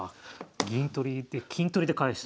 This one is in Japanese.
銀取りで金取りで返したと。